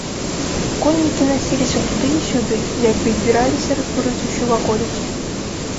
Коннікі насіліся туды і сюды, як бы збіраліся разбурыць усю ваколіцу.